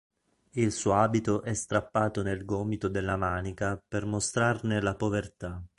Il suo abito è strappato nel gomito della manica per mostrarne la povertà.